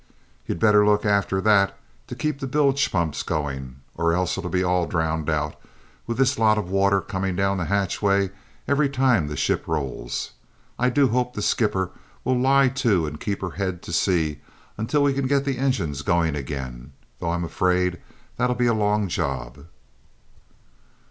"You'd better look after that, to keep the bilge pumps going, or else it'll be all drowned out, with this lot of water coming down the hatchway every time the ship rolls! I do hope the skipper will lie to and keep her head to sea until we can get the engines going again, though I'm afraid that'll be a long job!"